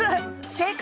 正解。